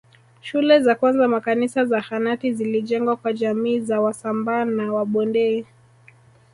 Shule za kwanza makanisa zahanati zilijengwa kwa jamii za wasambaa na wabondei